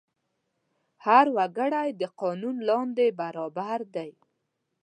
هر وګړی د قانون لاندې برابر دی.